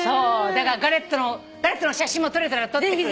だからガレットの写真も撮れたら撮ってくる。